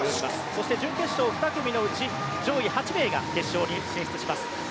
そして、準決勝２組のうち上位８名が決勝に進出します。